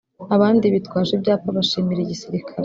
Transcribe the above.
abandi bitwaje ibyapa bashimira igisirikare